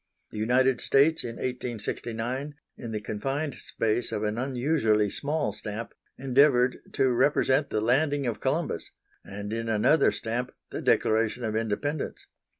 The United States, in 1869, in the confined space of an unusually small stamp, endeavoured to represent the landing of Columbus, and in another stamp the Declaration of Independence.